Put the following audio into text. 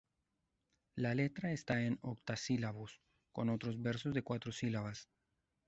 La letra está en octosílabos con otros versos de cuatro sílabas.